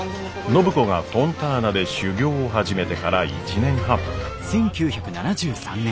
暢子がフォンターナで修業を始めてから１年半。